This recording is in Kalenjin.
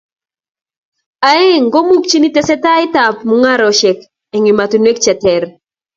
Aeng , komukochini tesetaet ab mung'aresiek eng emotunwek che ter.